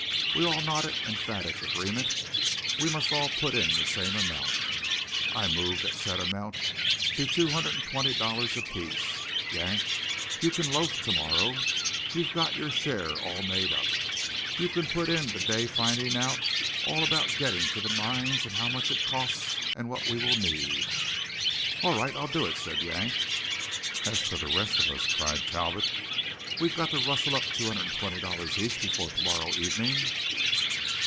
We all nodded emphatic agreement. "We must all put in the same amount. I move that said amount be two hundred and twenty dollars apiece. Yank, you can loaf to morrow; you've got your share all made up. You can put in the day finding out all about getting to the mines, and how much it costs, and what we will need." "All right; I'll do it," said Yank. "As for the rest of us," cried Talbot, "we've got to rustle up two hundred and twenty dollars each before to morrow evening!"